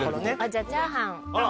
じゃあチャーハン。